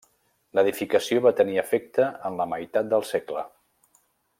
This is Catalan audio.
L'edificació va tenir efecte en la meitat del segle.